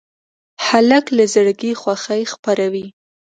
هلک له زړګي خوښي خپروي.